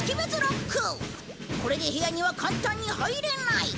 これで部屋には簡単に入れない。